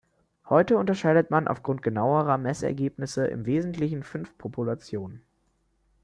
Heute unterscheidet man aufgrund genauerer Messergebnisse im Wesentlichen fünf Populationen.